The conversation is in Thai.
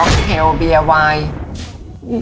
เทลเบียร์ไวน์